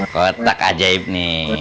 kotak ajaib nih